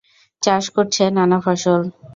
চাষ করছে নানা ফসল।